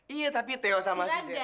iya tapi tio sama si zeta